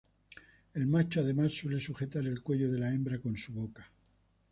El macho además, suele sujetar el cuello de la hembra con su boca.